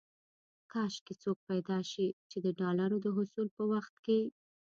کاش کې څوک پيدا شي چې د ډالرو د حصول په وخت کې.